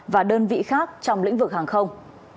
và đơn vị khác trong lĩnh vực hàng không